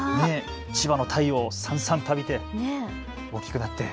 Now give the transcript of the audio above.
千葉の太陽をさんさんと浴びて大きくなって。